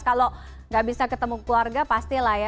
kalau gak bisa ketemu keluarga pasti lah ya